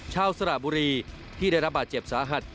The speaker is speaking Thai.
สระบุรีที่ได้รับบาดเจ็บสาหัส